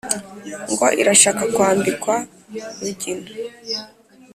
Ngo irashaka kwambikwa Rugina*.